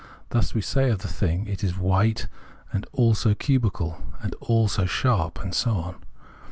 Thus we say of the thing, " it is white, and also cubical, and also sharp," and so on.